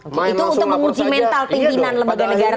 oke itu untuk menguji mental pimpinan lembaga negara kayaknya